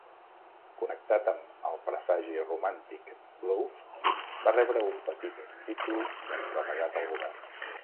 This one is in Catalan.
Connectat amb el presagi romàntic "Globe", va rebre un petit títol d'encarregat al govern.